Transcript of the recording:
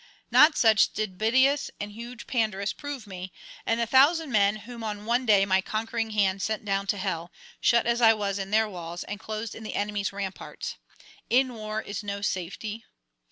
Not such did Bitias and huge Pandarus prove me, and the thousand men whom on one day my conquering hand sent down to hell, shut as I was in their walls and closed in the enemy's ramparts. _In war is no safety.